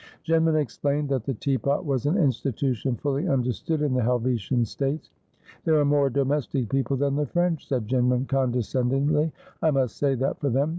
Jinman explained that the teapot was an institution fully understood in the Helvetian States. ' They're a more domestic people than the French,' said Jinman condescendingly, ' I must say that for them.